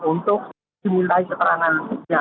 untuk dimintai keterangannya